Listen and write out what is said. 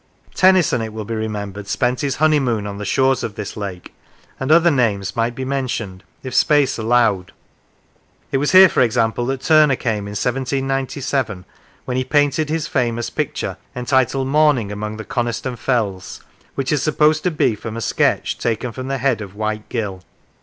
Tennyson, it will be remembered, spent his honey moon on the shores of this lake, and other names might be mentioned, if space allowed. It was here, for example, that Turner came, in 1797, when he painted his famous picture entitled " Morning among the Coniston Fells," which is supposed to be from a sketch taken from the head of White Gill.